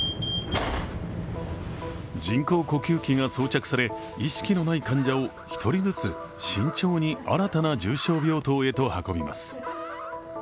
人工呼吸器が装着され意識がない患者を１人ずつ慎重に、新たな重症病床へと運びます。